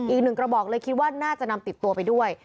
อีกหนึ่งกระบอกเลยคิดว่าน่าจะนำติดตัวไปด้วย